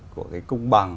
của cái công bằng